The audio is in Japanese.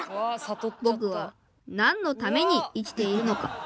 ぼくは何のために生きているのか。